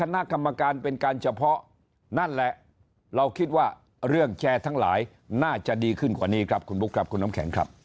น่าจะดีขึ้นกว่านี้ครับคุณลุกคุณน้ำแข็งครับ